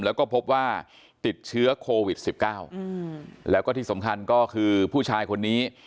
แล้วก็พบว่าติดเชื้อโควิด๑๙แล้วก็ที่สำคัญก็คือผู้ชายคนนี้